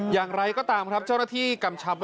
อย่างไรก็ตามครับเจ้าหน้าที่กำชับ